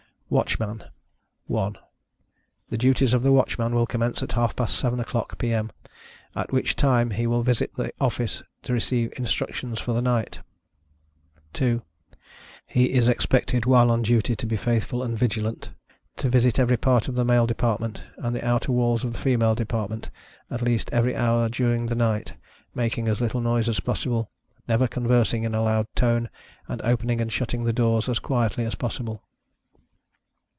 WATCHMAN. 1. The duties of the Watchman will commence at half past seven oâ€™clock, P.Â M., at which time he will visit the office to receive instructions for the night. 2. He is expected, while on duty, to be faithful and vigilant; to visit every part of the male department, and the outer walls of the female department, at least every hour during the night, making as little noise as possible, never conversing in a loud tone, and opening and shutting the doors as quietly as possible.